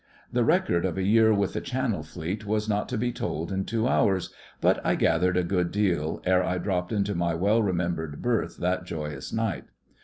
The record of a year with the Channel Fleet is not to be told in two hours, but I gathered a good deal ere I dropped into my well remembered berth that joyous night.